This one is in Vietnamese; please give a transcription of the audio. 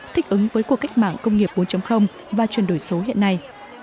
thích ứng với cuộc cách mạng công nghiệp bốn và chuyển đổi số hiện nay